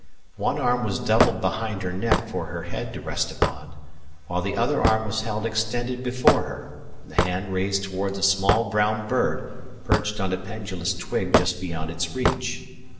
One arm was doubled behind her neck for her head to rest upon, while the other arm was held extended before her, the hand raised towards a small brown bird perched on a pendulous twig just beyond its reach.